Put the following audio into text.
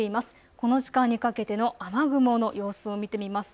この時間にかけての雨雲の様子を見てみます。